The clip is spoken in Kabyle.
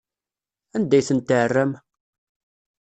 Anda ay tent-tɛerram?